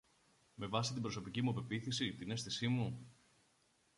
Με βάση την προσωπική μου πεποίθηση, την αίσθηση μου;